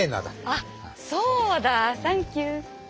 あそうだ！サンキュー。